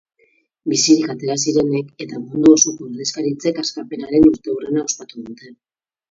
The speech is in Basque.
Bizirik atera zirenek eta mundu osoko ordezkaritzek askapenaren urteurrena ospatu dute.